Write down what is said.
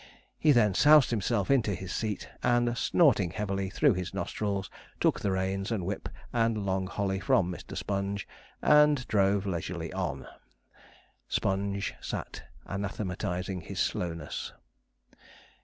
He then soused himself into his seat, and, snorting heavily through his nostrils, took the reins and whip and long holly from Mr. Sponge, and drove leisurely on. Sponge sat anathematizing his slowness.